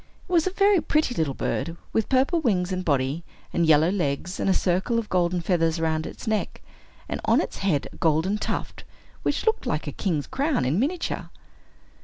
It was a very pretty little bird, with purple wings and body, and yellow legs, and a circle of golden feathers round its neck, and on its head a golden tuft, which looked like a king's crown in miniature.